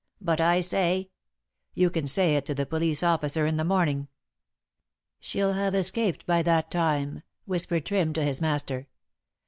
"But I say " "You can say it to the police officer in the morning." "She'll have escaped by that time," whispered Trim to his master.